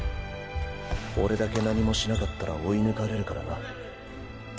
俺だけ何もしなかったら追い抜かれるからな。